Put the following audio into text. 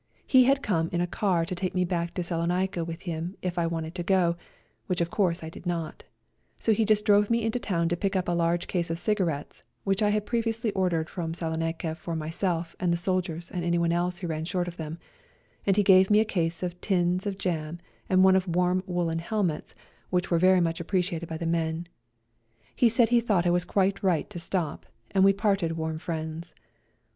He had come in a car to take me back to Salonica with him if I wanted to go, which of course I did not ; so he just drove me into town to pick up a large case of cigarettes which I had previously ordered from Salonica for my self and the soldiers and anyone else who ran short of them, and he also gave me a case of tins of jam and one of warm woollen helmets, which were very much appreciated by the men. He said he thought I was quite right to stop, and we parted warm friends.